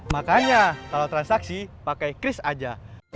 makanya kalo transaksi pake kris aja